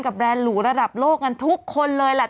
แรนดหรูระดับโลกกันทุกคนเลยแหละ